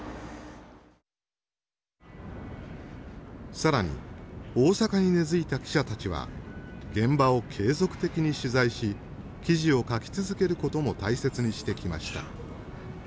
更に大阪に根づいた記者たちは現場を継続的に取材し記事を書き続けることも大切にしてきました。